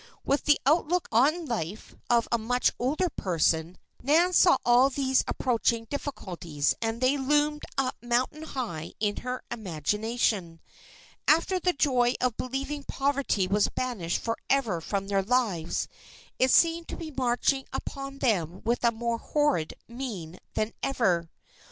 With the outlook on life of a much older person, Nan saw all these approaching difficulties, and they loomed up mountain high in her imagination. After the joy of believing poverty was banished forever from their lives, it seemed to be marching upon them with a more horrid mien than ever.